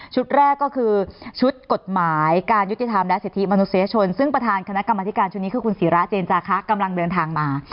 แรกก็คือชุดกฎหมายการยุติธรรมและสิทธิมนุษยชนซึ่งประธานคณะกรรมธิการชุดนี้คือคุณศิราเจนจาคะกำลังเดินทางมา